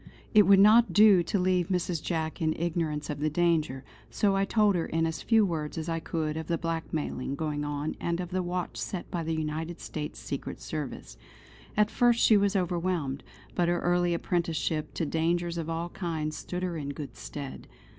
It would not do to leave Mrs. Jack in ignorance of the danger, so I told her in as few words as I could of the blackmailing going on and of the watch set by the United States Secret Service. At first she was overwhelmed; but her early apprenticeship to dangers of all kinds stood her in good stead.